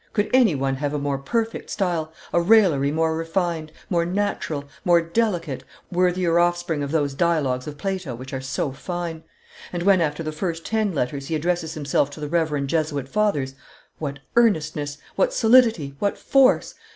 Could any one have a more perfect style, a raillery more refined, more natural, more delicate, worthier offspring of those dialogues of Plato, which are so fine? And when, after the first ten letters, he addresses himself to the reverend Jesuit fathers, what earnestness, what solidity, what force!